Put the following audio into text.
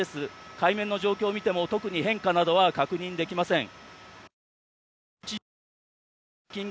海面の状況を見ても特に変化などは確認できません。